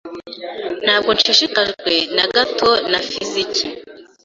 Ntabwo nshishikajwe na gato na fiziki.